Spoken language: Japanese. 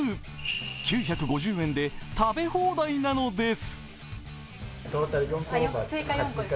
９５０円で食べ放題なのです。